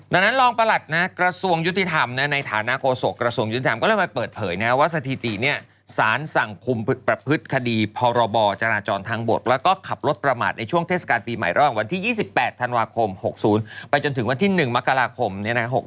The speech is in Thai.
ดังนั้นรองประหลัดกระทรวงยุติธรรมในฐานะโฆษกระทรวงยุติธรรมก็เลยมาเปิดเผยว่าสถิติเนี่ยสารสั่งคุมประพฤติคดีพรบจราจรทางบกแล้วก็ขับรถประมาทในช่วงเทศกาลปีใหม่ระหว่างวันที่๒๘ธันวาคม๖๐ไปจนถึงวันที่๑มกราคม